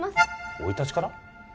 生い立ちから？